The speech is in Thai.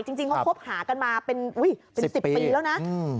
จริงเขาคบหากันมาเป็น๑๐ปีแล้วนะ